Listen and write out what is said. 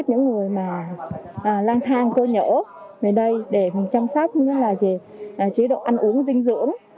có người mà lang thang cơ nhở về đây để mình chăm sóc như là về chế độ ăn uống dinh dưỡng